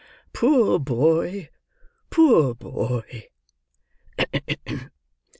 "Poor boy, poor boy!"